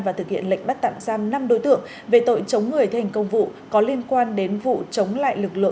và thực hiện lệnh bắt tạm giam năm đối tượng về tội chống người thi hành công vụ có liên quan đến vụ chống lại lực lượng